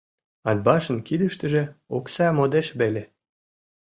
— Атбашын кидыштыже окса модеш веле.